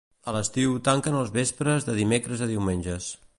A l'estiu tanquen als vespres de dimecres a diumenges.